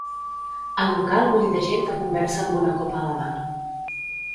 El local bull de gent que conversa amb una copa a la mà.